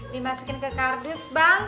dimasukin ke kardus bang